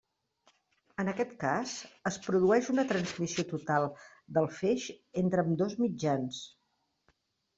En aquest cas, es produeix una transmissió total del feix entre ambdós mitjans.